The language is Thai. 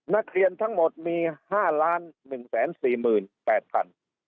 นักเรียนทั้งหมดมีห้าล้านหนึ่งแสนสี่หมื่นแปดพัน